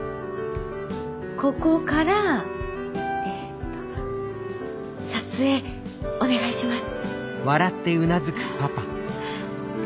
ここからえっと撮影お願いします。